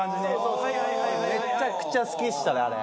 めちゃくちゃ好きでしたねあれ。